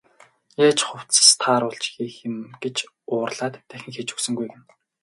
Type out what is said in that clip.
Яаж хувцас тааруулж хийх юм гэж уурлаад дахин хийж өгсөнгүй гэнэ.